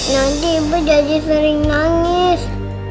nanti ibu jadi sering nangis